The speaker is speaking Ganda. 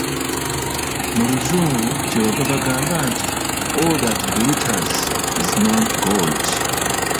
Mu luzungu kyebava bagamba nti "All that glitters is not gold".